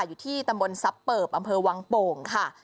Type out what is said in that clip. อยู่ที่ตำบลทรัพย์เปิบอำเภอวังโป่งค่ะ